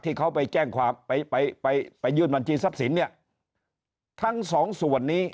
ที่เขาไปแจ้งความไปไปยื่นบัญชีทรัพย์สินเนี่ยทั้งสองส่วนนี้